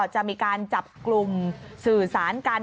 จะมีการจับกลุ่มสื่อสารกัน